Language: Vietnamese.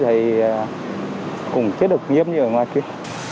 thế ở đây thì cũng chứa được nghiêm như ở ngoan kia